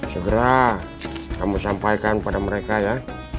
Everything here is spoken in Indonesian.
segera kamu sampaikan pada mereka ya